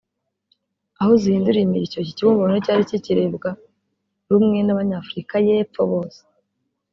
aho zihinduriye imirishyo iki kibumbano nticyari kikirebwa rumwe n’Abanyafurika y’Epfo bose